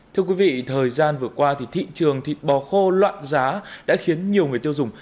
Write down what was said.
thưa quý vị thời gian vừa qua thị trường thịt bò khô loạn giá đã khiến nhiều người tiêu dùng